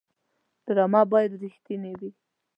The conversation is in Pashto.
ډرامه باید رښتینې وي